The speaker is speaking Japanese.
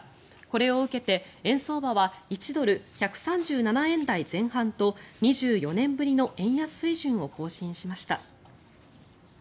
これを受けて円相場は１ドル＝１３７円台前半と２４年ぶりの円安水準を更新しました。